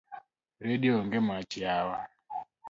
Redio onge mach yawa.